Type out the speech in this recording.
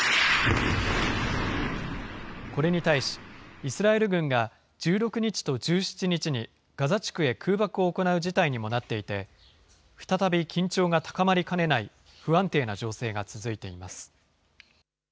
これに対し、イスラエル軍が１６日と１７日にガザ地区へ空爆を行う事態にもなっていて、再び緊張が高まりかねない不安定な情勢が続いています。